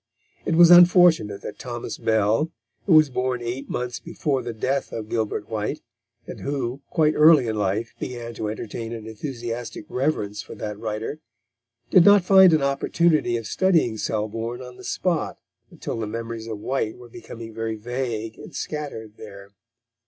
It was unfortunate that Thomas Bell, who was born eight months before the death of Gilbert White, and who, quite early in life began to entertain an enthusiastic reverence for that writer, did not find an opportunity of studying Selborne on the spot until the memories of White were becoming very vague and scattered there.